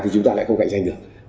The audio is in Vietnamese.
thì chúng ta lại không cạnh tranh được